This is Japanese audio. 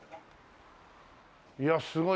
いやあすごい！